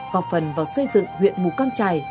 góp phần vào xây dựng huyện mù căng trải